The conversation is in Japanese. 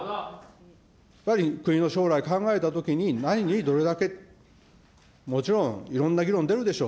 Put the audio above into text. やっぱり国の将来考えたときに、何にどれだけ、もちろんいろんな議論出るでしょう。